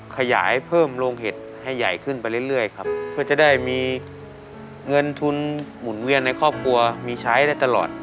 ขยายเพิ่มโรงเห็ดให้ใหญ่ขึ้นไปเรื่อยครับเพื่อจะได้มีเงินทุนหมุนเวียนในครอบครัวมีใช้ได้ตลอด